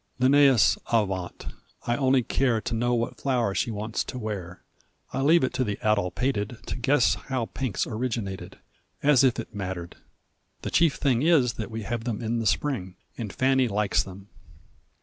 Linnaeus, avaunt! I only care To know what flower she wants to wear. I leave it to the addle pated To guess how pinks originated, As if it mattered! The chief thing Is that we have them in the Spring, And Fanny likes them.